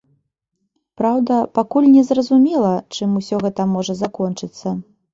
Праўда, пакуль не зразумела, чым усё гэта можа закончыцца.